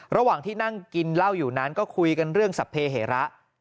ระหว่างที่นั่งกินเหล้าอยู่นั้นก็คุยกันเรื่องสรรพเหระ